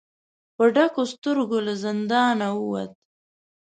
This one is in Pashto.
په ډکو سترګو له زندانه ووت.